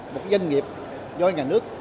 một doanh nghiệp do nhà nước